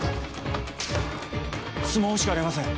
スマホしかありません。